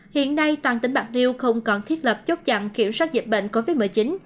hiện nay toàn tỉnh bạc liêu không còn thiết lập chốt chặn kiểm soát dịch bệnh covid một mươi chín